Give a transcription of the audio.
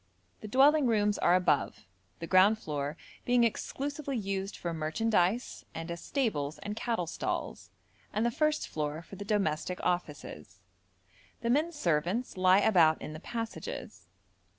The dwelling rooms are above, the ground floor being exclusively used for merchandise and as stables and cattle stalls, and the first floor for the domestic offices. The men servants lie about in the passages.